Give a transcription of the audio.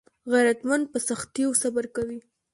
غیرتمند په سختیو صبر کوي